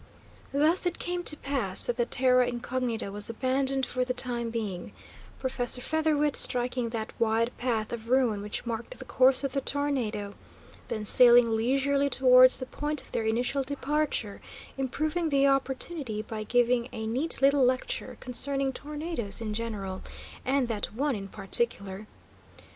Thus it came to pass that the terra incognita was abandoned for the time being, Professor Featherwit striking that wide path of ruin which marked the course of the tornado, then sailing leisurely towards the point of their initial departure, improving the opportunity by giving a neat little lecture concerning tornadoes in general, and that one in particular.